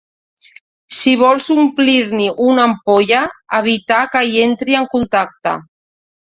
Si vols omplir-hi una ampolla, evitar que hi entri en contacte.